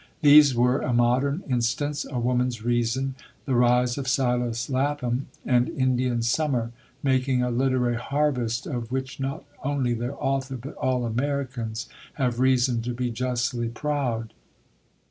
These were A Modern Instance, A Woman's Reason, The Rise of Silas Lapham, and Indian Summer; making a literary harvest of which not only their author, but all Americans, have reason to be justly proud.